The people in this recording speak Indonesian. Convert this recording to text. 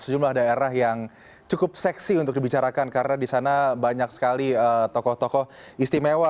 sejumlah daerah yang cukup seksi untuk dibicarakan karena di sana banyak sekali tokoh tokoh istimewa